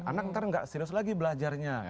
anak nanti tidak serius lagi belajarnya